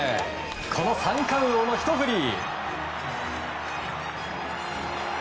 この三冠王のひと振り！